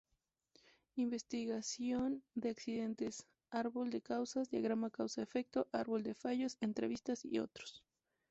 Investigación de accidentes: Árbol de causas, Diagrama Causa-Efecto, Árbol de fallos, entrevistas y otros.